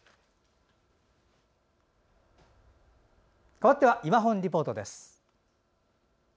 かわっては「いまほんリポート」です。